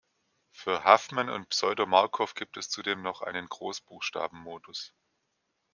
Für Huffman und Pseudo-Markov gibt es zudem noch einen Großbuchstaben-Modus.